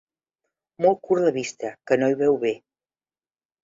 Molt curt de vista, que no hi veu bé.